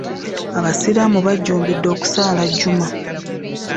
Abasiraamu bajjumbidde okusaala juma.